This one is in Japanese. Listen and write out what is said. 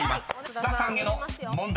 須田さんへの問題］